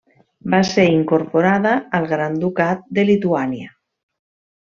Va ser incorporada al Gran Ducat de Lituània.